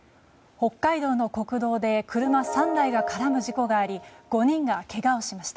北海道の国道で車３台が絡む事故があり５人がけがをしました。